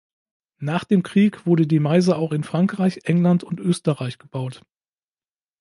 Nach dem Krieg wurde die Meise auch in Frankreich, England und Österreich gebaut.